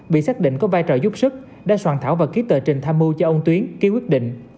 bị xác định có vai trò giúp sức đã soạn thảo và ký tờ trình tham mưu cho ông tuyến ký quyết định